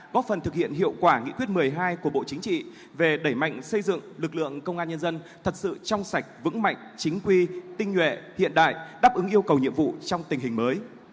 góp phần thực hiện hiệu quả nghị quyết một mươi hai của bộ chính trị về đẩy mạnh xây dựng lực lượng công an nhân dân thật sự trong sạch vững mạnh chính quy tinh nhuệ hiện đại đáp ứng yêu cầu nhiệm vụ trong tình hình mới